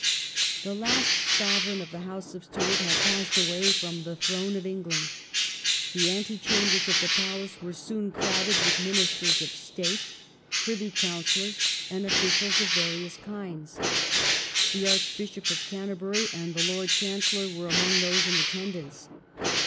The last Sovereign of the House of Stuart had passed away from the throne of England. The ante chambers of the palace were soon crowded with Ministers of State, Privy Coun cillors, and officials of various kinds. The Arch bishop of Canterbury and the Lord Chancellor were among those in attendance.